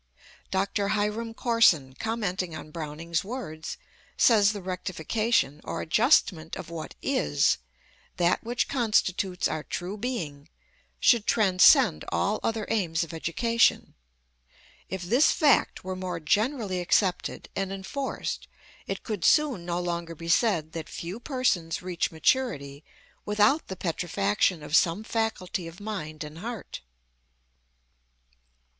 Dr. Hiram Corson, commenting on Browning's words, says the rectification, or adjustment of what Is, that which constitutes our true being, should transcend all other aims of education. If this fact were more generally accepted and enforced it could soon no longer be said that few persons reach maturity without the petrifaction of some faculty of mind and heart.